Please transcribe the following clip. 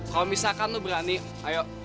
kalau misalkan tuh berani ayo